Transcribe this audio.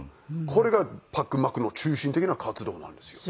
これがパックンマックンの中心的な活動なんですよ。